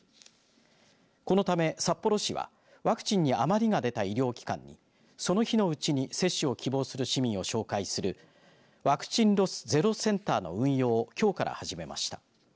このため札幌市はワクチンに余りが出た医療機関にその日のうちに接種を希望する市民を紹介するワクチンロスゼロセンターの運用をきょうから始めました。